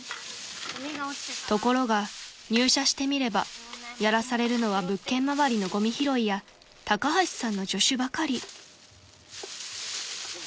［ところが入社してみればやらされるのは物件周りのゴミ拾いや高橋さんの助手ばかり］